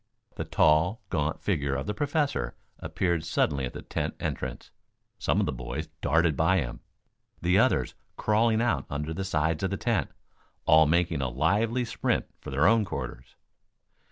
The tall, gaunt figure of the Professor appeared suddenly at the tent entrance. Some of the boys darted by him, the others crawling out under the sides of the tent, all making a lively sprint for their own quarters.